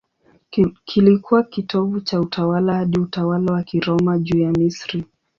Kilikuwa kitovu cha utawala hadi utawala wa Kiroma juu ya Misri.